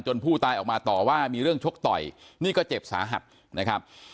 ผู้ตายออกมาต่อว่ามีเรื่องชกต่อยนี่ก็เจ็บสาหัสนะครับ